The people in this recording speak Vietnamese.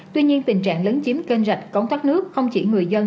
tuy nhiên tình trạng lớn chiếm cân rạch cống thoát nước không chỉ người dân